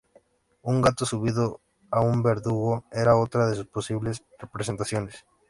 Un gato subido a un verdugo era otra de sus posibles representaciones.